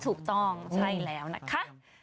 ถูกต้องใช่แล้วนะคะ